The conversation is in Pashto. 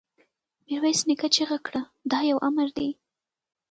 ميرويس نيکه چيغه کړه! دا يو امر دی!